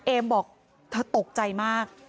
เอมบอกตกใจมาก